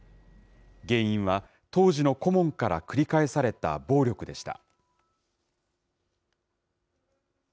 原因は当時の顧問から繰り返された暴力でした。